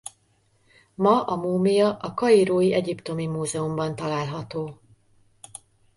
Ma a múmia a kairói Egyiptomi Múzeumban található.